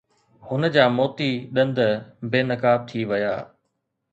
هن جا موتي ڏند بي نقاب ٿي ويا.